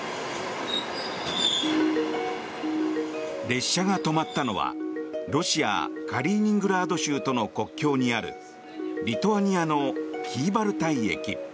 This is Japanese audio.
列車が止まったのはロシア・カリーニングラード州との国境にあるリトアニアのキーバルタイ駅。